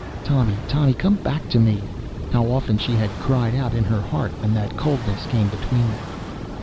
Tommy, Tommy, come back to me! How often she had cried out in her heart when that coldness came between them.